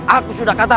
aku sudah kata